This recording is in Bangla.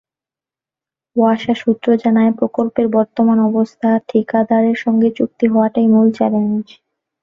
ওয়াসা সূত্র জানায়, প্রকল্পের বর্তমান অবস্থায় ঠিকাদারের সঙ্গে চুক্তি হওয়াটাই মূল চ্যালেঞ্জ।